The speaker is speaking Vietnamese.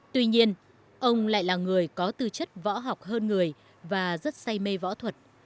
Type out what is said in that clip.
tuy nhiên ông lại là người có tư chất võ học hơn người và rất say mê võ thuật